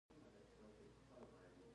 دا توکي ګټور مواد دي چې په طبیعت کې شته.